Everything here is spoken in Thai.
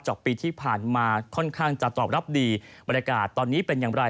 ปีที่ผ่านมาค่อนข้างจะตอบรับดีบรรยากาศตอนนี้เป็นอย่างไร